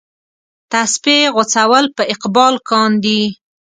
تسپې غوڅول په اقبال کاندي.